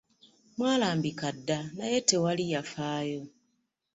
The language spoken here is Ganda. Mwalambika dda naye tewali yafaayo.